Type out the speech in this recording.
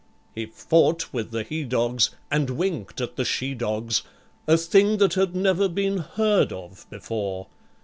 He fought with the he dogs, and winked at the she dogs, A thing that had never been heard of before.